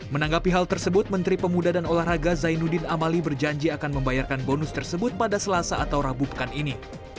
menanggapi hal tersebut menteri pemuda dan olahraga zainuddin amali berjanji akan membayarkan bonus tersebut pada selasa atau rabu pekan ini